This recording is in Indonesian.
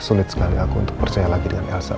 sulit sekali aku untuk percaya lagi dengan elsa